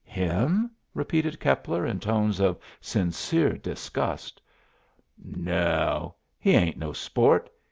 "Him?" repeated Keppler in tones of sincere disgust. "No oh, he ain't no sport.